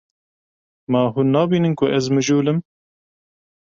Ma hûn nabînin ku ez mijûl im?